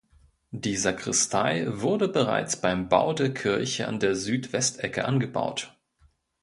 Die Sakristei wurde bereits beim Bau der Kirche an der Südwestecke angebaut.